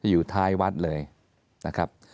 อยู่ท้ายวัดเลยนะครับ